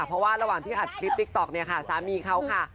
เพราะว่าระหว่างที่อัดคลิปติ๊กต๊อกเนี่ยค่ะสามีเขาค่ะ